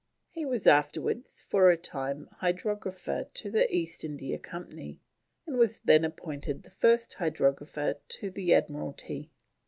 He was afterwards for a time hydrographer to the East India Company, and was then appointed the first hydrographer to the Admiralty.